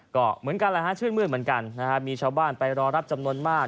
ก็เหมือนกันแหละฮะชื่นมืดเหมือนกันนะฮะมีชาวบ้านไปรอรับจำนวนมาก